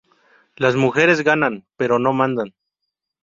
Las mujeres ganan, pero no mandan.